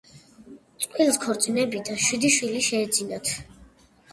წყვილს ქორწინებიდან შვიდი შვილი შეეძინათ.